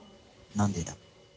何でだ。